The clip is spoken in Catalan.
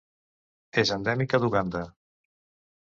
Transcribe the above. És endèmica d'Uganda.